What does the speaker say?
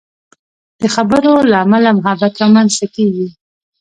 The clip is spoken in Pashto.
د خبرو له امله محبت رامنځته کېږي.